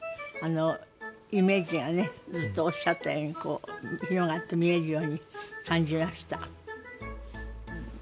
あのイメージがねずっとおっしゃったようにこう広がって見えるように感じました。